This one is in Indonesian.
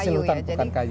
hasil hutan bukan kayu